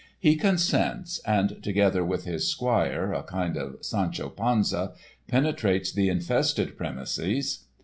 He consents and, together with his squire (a kind of Sancho Panza), penetrates the infested premises.